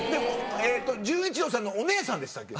えっと純一郎さんのお姉さんでしたっけ？